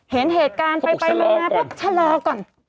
เห็นเหตุการณ์ไปแล้วชะลอก่อน